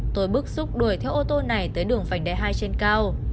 tôi bức xúc đuổi theo ô tô này tới đường vành đai hai trên cao